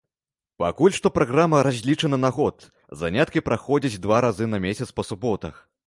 Пакуль што праграма разлічана на год, заняткі праходзяць два разы на месяц па суботах.